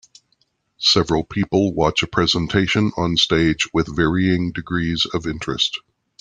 Several people watch a presentation on stage with varying degrees of interest.